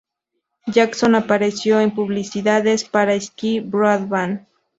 Jackson apareció en publicidades para Sky Broadband.